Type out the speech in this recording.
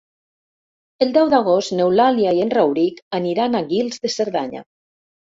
El deu d'agost n'Eulàlia i en Rauric aniran a Guils de Cerdanya.